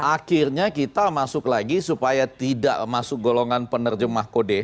akhirnya kita masuk lagi supaya tidak masuk golongan penerjemah kode